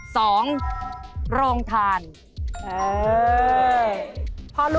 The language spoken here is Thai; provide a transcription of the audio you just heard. สองรงทาน